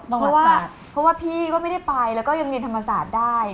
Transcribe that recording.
เพราะว่าเพราะว่าพี่ก็ไม่ได้ไปแล้วก็ยังเรียนธรรมศาสตร์ได้